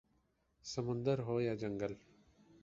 سمندر ہو یا جنگل